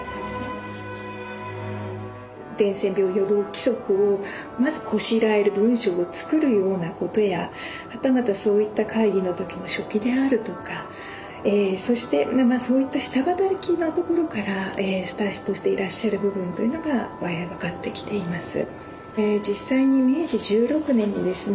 伝染病予防規則をまずこしらえる文章を作るようなことやはたまたそういった会議の時の書記であるとかそういった下働きのところからスタートしていらっしゃる部分というのが分かってきています。